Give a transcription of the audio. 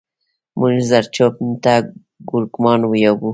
مونږ زرچوب ته کورکمان يايو